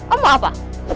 om mau apa